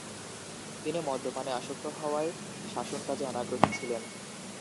তিনি মদ্যপানে আসক্ত হওয়ায় শাসন কাজে অনাগ্রহী ছিলেন।